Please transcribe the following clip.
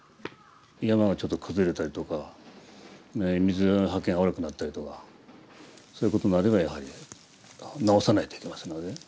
山がちょっと崩れたりとか水はけが悪くなったりとかそういうことになればやはり直さないといけませんので。